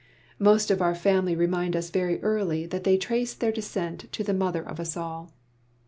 ] Most of our family remind us very early that they trace their descent to the mother of us all.